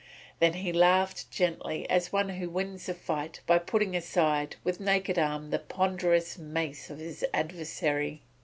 Then he laughed gently as one who wins a fight by putting aside with naked arm the ponderous mace of his adversary.